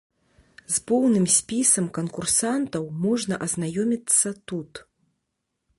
З поўным спісам канкурсантаў можна азнаёміцца тут.